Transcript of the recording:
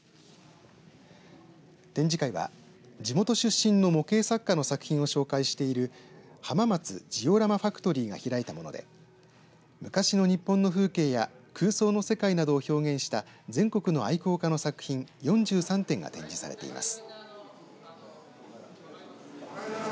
展示会は地元出身の模型作家の作品を紹介している浜松ジオラマファクトリーが開いたもので昔の日本の風景や空想の世界などを表現した全国の愛好家の作品４３点が展示されています。